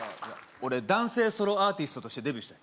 俺男性ソロアーティストとしてデビューしたい